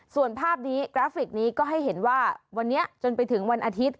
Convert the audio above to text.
ส่วนภาพนี้กราฟิกนี้ก็ให้เห็นว่าวันนี้จนไปถึงวันอาทิตย์